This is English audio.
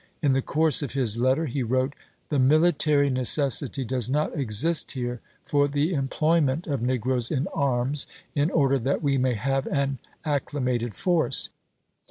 In the course of his letter he wrote :" The military necessity does not exist here NEGRO SOLDIEES 447 for the employment of negroes in arms, in order chap. xx. that we may have an acclimated force.